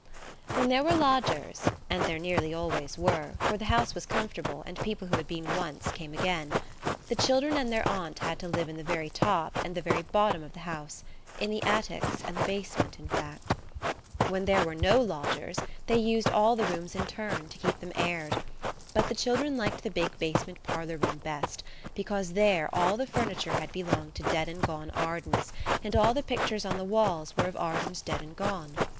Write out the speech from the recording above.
When there were lodgers–and. there nearly always were, for the house was comfortable, and people who had been once came again–the children and their aunt had to live in the very top and the very bottom of the house–in the attics and the basement, in fact. When there were no lodgers they used all the rooms in turn, to keep them aired. But the children liked the big basement parlour room best, because there all the furniture had belonged to dead and gone Ardens, and all the pictures on the walls were of Ardens dead and gone.